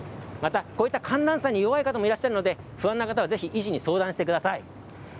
また、こういった寒暖差に弱い方もいらっしゃるので、不安な方はぜひ、医師に相談してください。